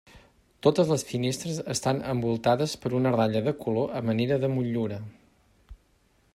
Totes les finestres estan envoltades per una ratlla de color a manera de motllura.